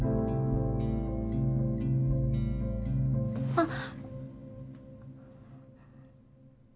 あっ！